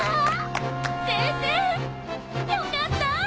先生よかった！